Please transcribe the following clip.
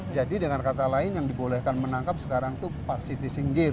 jadi dengan kata lain yang dibolehkan menangkap sekarang itu pasifis singgir